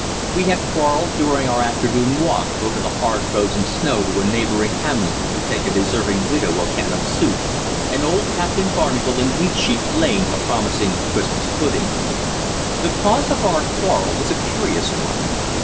We had quarrelled during our afternoon walk over the hard frozen snow to a neighbouring hamlet to take a deserving widow a can of soup, and old "Captain" Barnacle in Wheatsheaf Lane a promising Christmas pudding. The cause of our quarrel was a curious one.